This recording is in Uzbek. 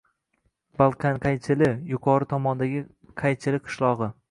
Balqanqaychili – yuqori tomondagi Qaychili qishlog‘i.